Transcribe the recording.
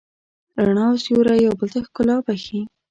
رڼا او سیوری یو بل ته ښکلا بښي.